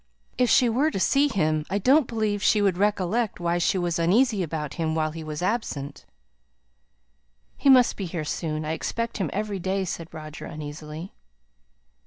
If she were to see him, I don't believe she would recollect why she was uneasy about him while he was absent." "He must be here soon. I expect him every day," said Roger, uneasily.